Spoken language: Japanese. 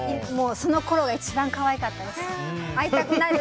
そのころが一番可愛かったです。